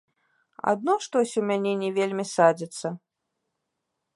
Адно штось у мяне не вельмі садзяцца.